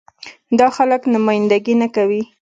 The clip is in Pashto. دا خلک نماينده ګي نه کوي.